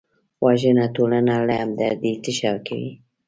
وژنه ټولنه له همدردۍ تشه کوي